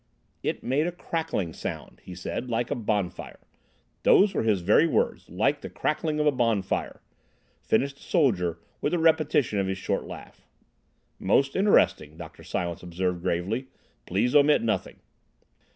"—it made a crackling noise, he said, like a bonfire. Those were his very words: like the crackling of a bonfire," finished the soldier, with a repetition of his short laugh. "Most interesting," Dr. Silence observed gravely. "Please omit nothing."